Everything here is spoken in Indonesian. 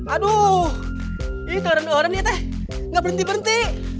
aduh itu orang orang nih teh gak berhenti berhenti